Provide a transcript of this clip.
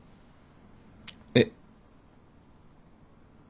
えっ。